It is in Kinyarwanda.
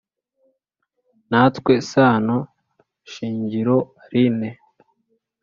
Nitwa Sano Shingiro Aline.